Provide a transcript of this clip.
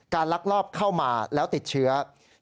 ลักลอบเข้ามาแล้วติดเชื้อ